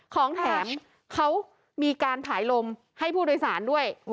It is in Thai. ของแถมเขามีการถ่ายลมให้ผู้โดยสารด้วย